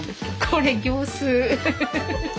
これ業スー。